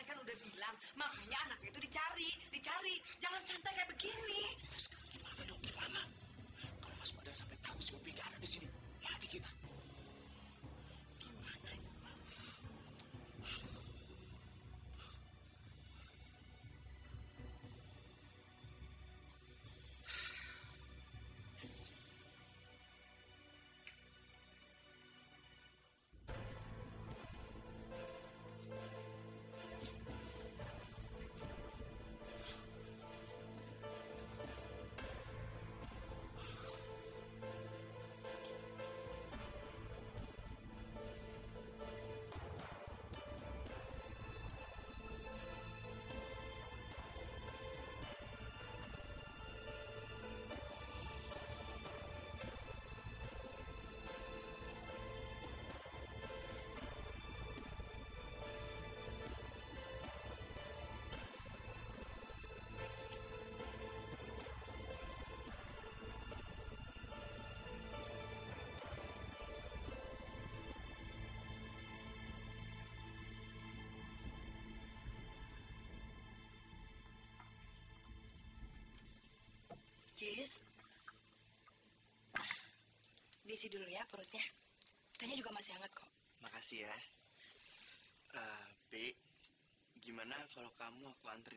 kan udah bilang makanya anak itu dicari dicari jangan santai begini